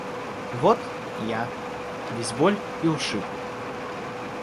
Вот – я, весь боль и ушиб.